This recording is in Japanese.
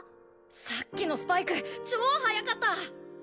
さっきのスパイク超速かった！